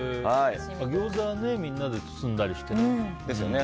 ギョーザはみんなで包んだりしてね。